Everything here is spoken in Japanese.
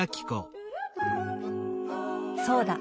そうだ！